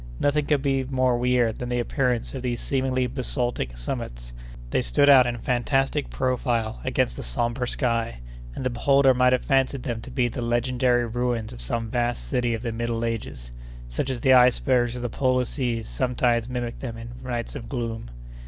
Nothing could be more weird than the appearance of these seemingly basaltic summits; they stood out in fantastic profile against the sombre sky, and the beholder might have fancied them to be the legendary ruins of some vast city of the middle ages, such as the icebergs of the polar seas sometimes mimic them in nights of gloom.